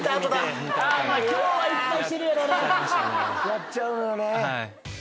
やっちゃうのよね。